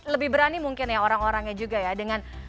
lebih berani mungkin ya orang orangnya juga ya